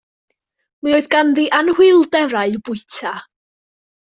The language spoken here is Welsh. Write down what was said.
Mi oedd ganddi anhwylderau bwyta.